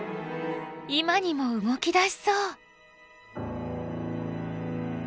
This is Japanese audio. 今にも動き出しそう。